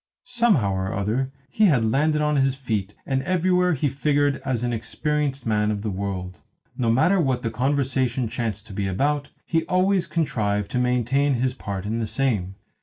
Somehow or other he had landed on his feet, and everywhere he figured as an experienced man of the world. No matter what the conversation chanced to be about, he always contrived to maintain his part in the same.